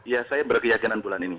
ya saya berkeyakinan bulan ini